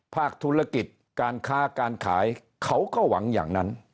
ภาคธุรกิจการค้าการขายเขาก็หวังอย่างนั้น